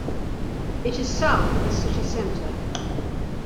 It is south of the city centre.